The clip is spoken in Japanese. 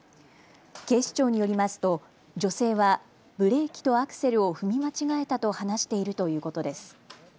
警視庁によりますと女性はブレーキとアクセルを踏み間違えたと話しているということです。